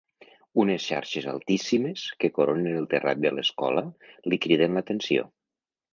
Unes xarxes altíssimes que coronen el terrat de l'escola li criden l'atenció.